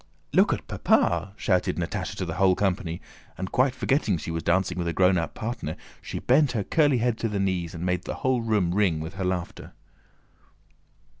"Look at Papa!" shouted Natásha to the whole company, and quite forgetting that she was dancing with a grown up partner she bent her curly head to her knees and made the whole room ring with her laughter.